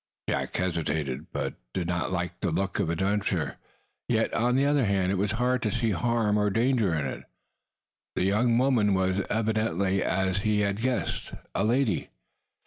Jack hesitated. He did not like the look of the adventure. Yet, on the other hand, it was hard to see harm or danger in it. The young woman was evidently, as he had at first guessed, a lady.